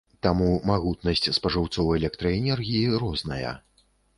Таму магутнасць спажыўцоў электраэнергіі розная.